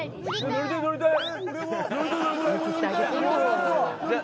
乗りたい乗りたい！